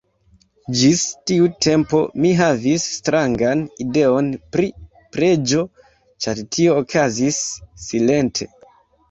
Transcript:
Ĝis tiu tempo mi havis strangan ideon pri preĝo, ĉar tio okazis silente.